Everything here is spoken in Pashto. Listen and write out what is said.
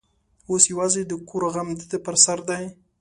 اوس یوازې د کور غم د ده پر سر دی.